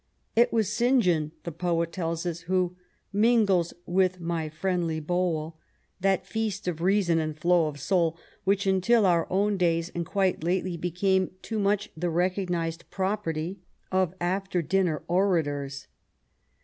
It was St. John, the poet tells us, who " mingles with my friendly bowl " that feast of reason and flow of soul which until our own days, and quite lately, became too much the recognized property of after dinner orators.